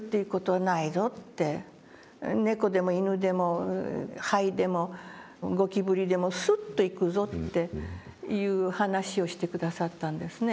「猫でも犬でもハエでもゴキブリでもスッと行くぞ」っていう話をして下さったんですね。